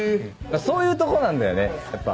そういうとこなんだよねやっぱ。